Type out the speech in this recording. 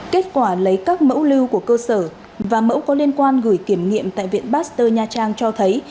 kết quả lấy các mẫu lưu của cơ sở và mẫu có liên quan gửi kiểm nghiệm tại viện pasteur nha trang cho thấy